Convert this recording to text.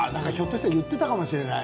いっていたかもしれない。